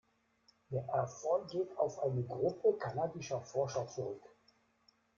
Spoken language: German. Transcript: Der Erfolg geht auf eine Gruppe kanadischer Forscher zurück.